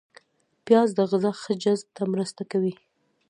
پیاز د غذا ښه جذب ته مرسته کوي